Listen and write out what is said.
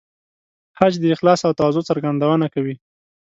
حج د اخلاص او تواضع څرګندونه کوي.